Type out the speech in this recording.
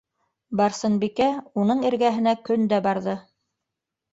Барсынбикә уның эргәһенә көн дә барҙы.